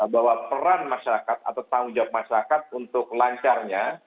bahwa peran masyarakat atau tanggung jawab masyarakat untuk lancarnya